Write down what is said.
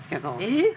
えっ！